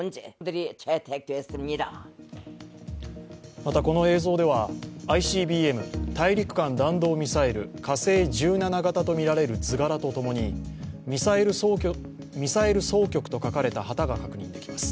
また、この映像ではＩＣＢＭ＝大陸間弾道ミサイル火星１７型とみられる図柄とともにミサイル総局と書かれた旗が確認できます。